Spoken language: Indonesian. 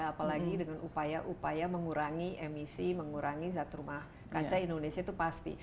apalagi dengan upaya upaya mengurangi emisi mengurangi zat rumah kaca indonesia itu pasti